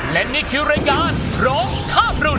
และนี่คือรายการโรงฆ่าบรุ่น